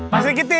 pak sri kiti